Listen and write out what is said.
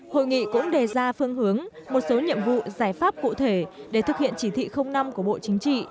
hội nghị cũng đề ra phương hướng một số nhiệm vụ giải pháp cụ thể để thực hiện chỉ thị năm của bộ chính trị